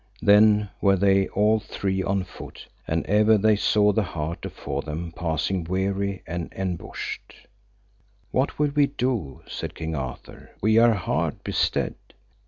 Then were they all three on foot, and ever they saw the hart afore them passing weary and enbushed. What will we do? said King Arthur, we are hard bestead.